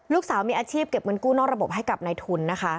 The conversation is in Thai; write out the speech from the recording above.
ลูกสาวมีอาชีพเก็บเงินกู้นอกระบบให้กับนายทุนนะคะ